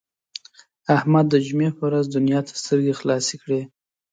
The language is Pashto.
احمد د جمعې په ورځ دنیا ته سترګې خلاصې کړې.